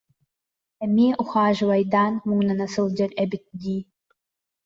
Эмиэ «ухаживайдаан» муҥнана сылдьар эбит дии